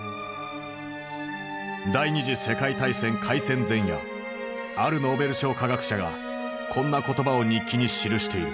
第二次世界大戦開戦前夜あるノーベル賞科学者がこんな言葉を日記に記している。